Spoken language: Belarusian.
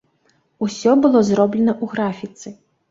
Усё было зроблена ў графіцы.